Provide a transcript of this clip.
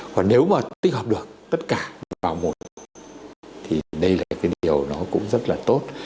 còn nếu mà tích hợp được tất cả vào một thì đây là cái điều nó cũng rất là tốt